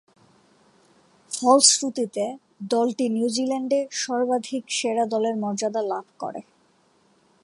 ফলশ্রুতিতে দলটি নিউজিল্যান্ডে সর্বাধিক সেরা দলের মর্যাদা লাভ করে।